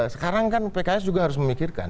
sekarang kan pks juga harus memikirkan